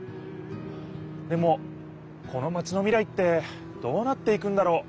でもこのマチの未来ってどうなっていくんだろう？